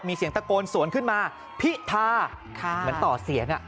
มีเสียงตะโกนสวนขึ้นมาพิธาเหมือนต่อเสียง